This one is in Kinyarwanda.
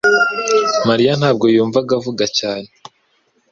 mariya ntabwo yumvaga avuga cyane